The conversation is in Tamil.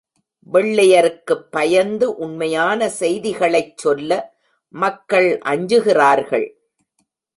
வெள்ளையருக்குப் பயந்து உண்மையான செய்திகளைச் சொல்ல மக்கள் அஞ்சுகிறார்கள்.